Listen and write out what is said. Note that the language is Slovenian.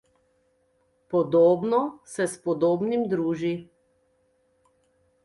Podobno se s podobnim druži.